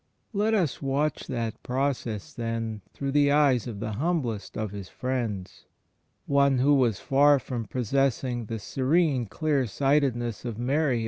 ... Let us watch that process, then, through the eyes of the hmnblest of His friends — one who was far from possessing the serene clear sightedness of Mary His ^ John i : 11.